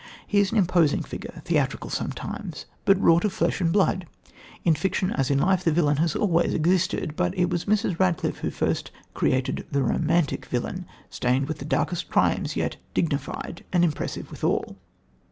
He is an imposing figure, theatrical sometimes, but wrought of flesh and blood. In fiction, as in life, the villain has always existed, but it was Mrs. Radcliffe who first created the romantic villain, stained with the darkest crimes, yet dignified and impressive withal.